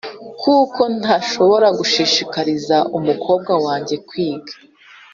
kuko ntashoboye gushishikariza umukobwa wanjye kwiga